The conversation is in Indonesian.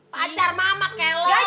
pacar mama keles